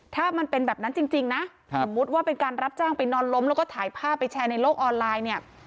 ถ้ามันเป็นแบบนั้นจริงนะสมมุติว่าเป็นการรับจ้างไปนอนล้มแล้วก็ถ่ายภาพไปแชร์ในโลกออนไลน์เนี่ย